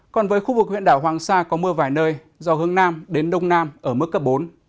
còn với khu vực huyện đảo hoàng sa có mưa vài nơi do hướng nam đến đông nam ở mức cấp bốn